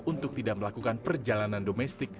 untuk tidak melakukan perjalanan domestik